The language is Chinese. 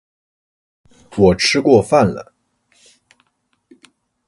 我吃过饭了